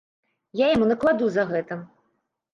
Я яму накладу за гэта.